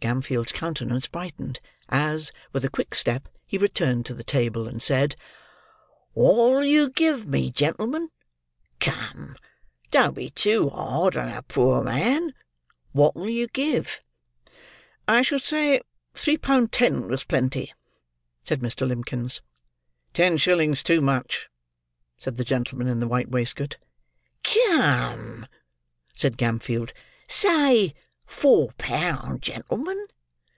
Gamfield's countenance brightened, as, with a quick step, he returned to the table, and said, "What'll you give, gen'l'men? Come! Don't be too hard on a poor man. What'll you give?" "I should say, three pound ten was plenty," said Mr. Limbkins. "Ten shillings too much," said the gentleman in the white waistcoat. "Come!" said Gamfield; "say four pound, gen'l'men.